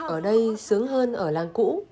ở đây sướng hơn ở làng cũ